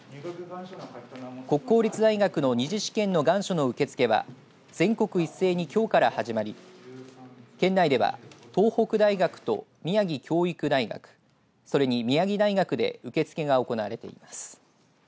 国公立大学の２次試験の願書の受け付けは全国一斉にきょうから始まり県内では東北大学と宮城教育大学それに宮城大学で受け付けが行われています。